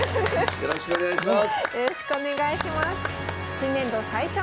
よろしくお願いします。